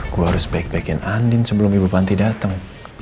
gue harus baik baikin andin sebelum ibu panti datang